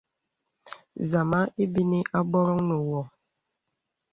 Zama ebínī àbòròŋ nə wô.